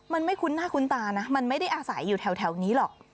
มันไม่คุ้นหน้าคุ้นตานะมันไม่ได้อาศัยอยู่แถวนี้หรอก